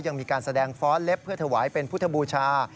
ยังมีการแสดงฟ้อนเล็บเพื่อถวายเป็นพุทธบูชา